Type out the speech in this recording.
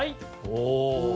お。